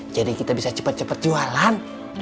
jadi kita bisa cepat cepat jualan